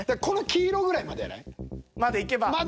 この黄色ぐらいまでやない？まで行けば。